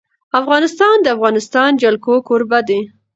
افغانستان د د افغانستان جلکو کوربه دی.